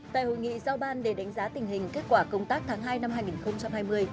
tại hội nghị giao ban để đánh giá tình hình kết quả công tác tháng hai năm hai nghìn hai mươi